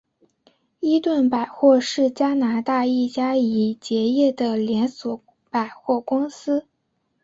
伊顿百货是加拿大一家已结业的连锁百货公司。